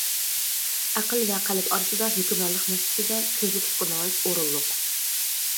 ئەقىل ۋە قەلب ئارىسىدا ھۆكۈمرانلىق مەسىلىسىدە كۆزدە تۇتقىنىڭىز ئورۇنلۇق.